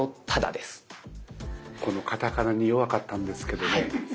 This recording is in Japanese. カタカナに弱かったんですけどね